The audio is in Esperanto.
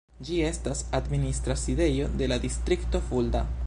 Ĝi estas administra sidejo de la distrikto Fulda.